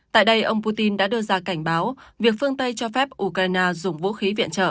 tại đây ông putin đã đưa ra cảnh báo việc phương tây cho phép ukraine dùng vũ khí viện trợ